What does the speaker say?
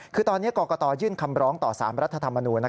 คือตอนนี้กรกตยื่นคำร้องต่อ๓รัฐธรรมนูญ